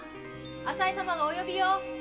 浅井様がお呼びよ。